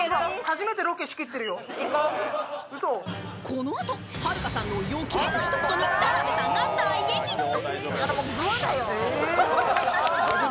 このあと、はるかさんの余計なひと言に田辺さんが大激怒。